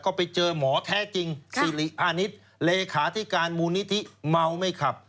ก็ไปเจอหมอแท้จริงสิริพาณิชย์เลขาธิการมูลนิธิเมาไม่ขับ